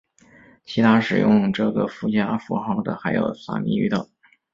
其他使用这个附加符号的还有萨米语等。